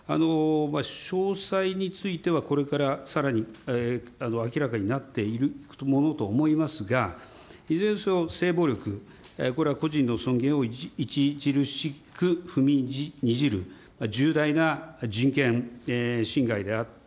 詳細については、これからさらに明らかになっていくものと思いますが、いずれにせよ、性暴力、これは個人の尊厳を著しく踏みにじる重大な人権侵害であって、